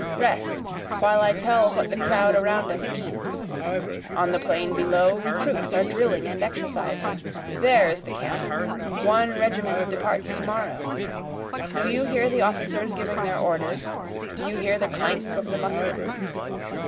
Rest, while I tell what the crowd around us means, On the plain below recruits are drilling and exercising, There is the camp, one regiment departs to morrow, Do you hear the officers giving their orders? Do you hear the clank of the muskets?